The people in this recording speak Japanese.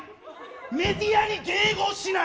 メディアに迎合しない！